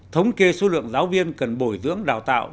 thống kê số lượng giáo viên cần bồi dưỡng đào tạo